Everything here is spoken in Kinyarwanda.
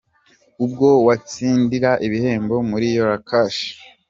Uko watsindira ibihembo muri “Yora Cash”.